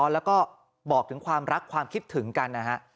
แล้วก็บอกถึงความรักความคิดถึงกันนะฮะ